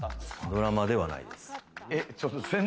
ドラマではない。